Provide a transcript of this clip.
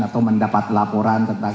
atau mendapat laporan tentang